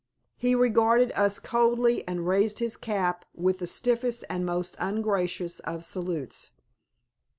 He regarded us coldly, and raised his cap with the stiffest and most ungracious of salutes.